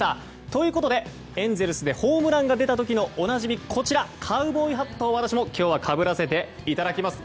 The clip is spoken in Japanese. ということで、エンゼルスでホームランが出た時のおなじみ、こちらカウボーイハットを、私も今日はかぶらせていただきます。